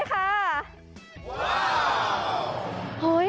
ว้าว